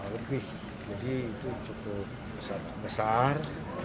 lebih jadi itu cukup besar